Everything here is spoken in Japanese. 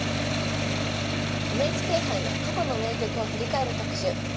ＮＨＫ杯の過去の名局を振り返る特集。